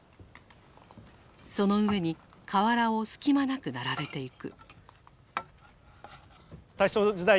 その上に瓦を隙間なく並べていく。